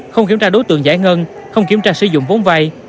không kiểm tra đối tượng giải ngân không kiểm tra sử dụng vốn vay